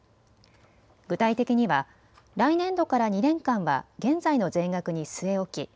具体的には来年度から２年間は現在の税額に据え置き